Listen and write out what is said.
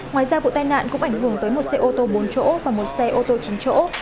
ngoài ra vụ tai nạn cũng ảnh hưởng tới một xe ô tô bốn chỗ và một xe ô tô chín chỗ